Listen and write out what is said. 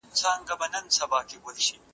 او تیر وخت ته په خندا ګوري.